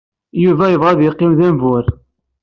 Yuba yebɣa ad yeqqim d ambur.